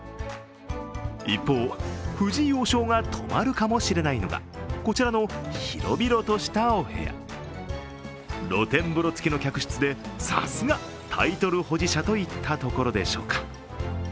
一方、藤井王将が泊まるかもしれないのが、こちらの広々としたお部屋露天風呂つきの客室で、さすがタイトル保持者といったところでしょうか。